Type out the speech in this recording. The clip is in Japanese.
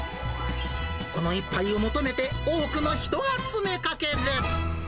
この一杯を求めて、多くの人が詰めかける。